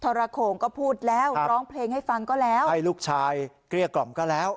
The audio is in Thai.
ระโขงก็พูดแล้วร้องเพลงให้ฟังก็แล้วให้ลูกชายเกลี้ยกล่อมก็แล้ว